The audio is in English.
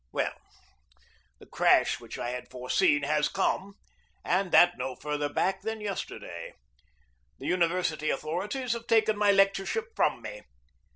Well, the crash which I had foreseen has come and that no further back than yesterday. The university authorities have taken my lectureship from me.